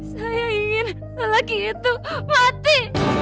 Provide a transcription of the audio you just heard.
saya ingin lagi itu mati